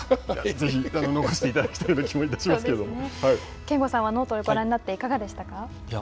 ぜひ残していただきたい憲剛さんはノートをご覧になっていかがでしたか。